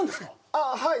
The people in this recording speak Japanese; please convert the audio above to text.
ああはい